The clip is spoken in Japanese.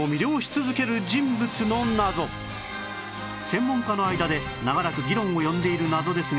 専門家の間で長らく議論を呼んでいる謎ですが